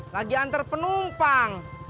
lagi antar penumpang